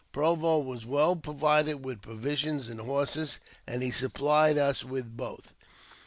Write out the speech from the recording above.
Provo was well provided with provisions and horses, and he supplied us with both.